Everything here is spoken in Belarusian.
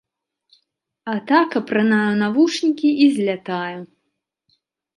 А так апранаю навушнікі і злятаю.